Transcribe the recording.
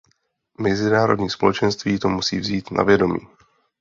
Mezinárodní společenství to musí vzít na vědomí.